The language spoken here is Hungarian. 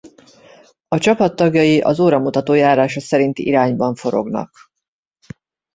A csapat tagjai az óramutató járása szerinti irányban forognak.